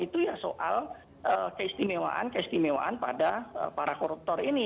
itu ya soal keistimewaan keistimewaan pada para koruptor ini